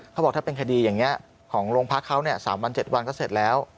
เขาบอกถ้าเป็นคดีอย่างนี้ของโรงพักเขา๓วัน๗วันก็เสร็จแล้ว